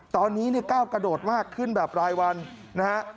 ตอนนี้ก้าวกระโดดมากขึ้นแบบรายวัน